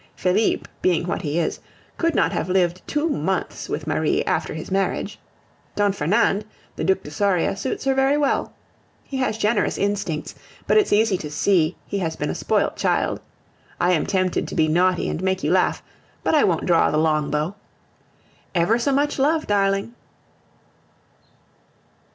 Felipe, being what he is, could not have lived two months with Marie after his marriage. Don Fernand, the Duc de Soria, suits her very well. He has generous instincts, but it's easy to see he has been a spoilt child. I am tempted to be naughty and make you laugh; but I won't draw the long bow. Ever so much love, darling.